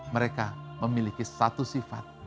mereka memiliki satu sifat